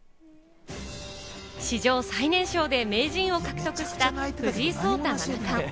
史上最年少で名人を獲得した藤井聡太七冠。